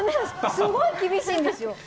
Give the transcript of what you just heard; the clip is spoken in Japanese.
すごい厳しいんですよ。